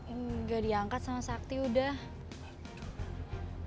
enggak diangkat sama sakti udah